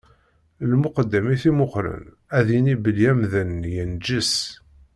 Lmuqeddem i t-imuqlen ad yini belli amdan-nni yenǧes.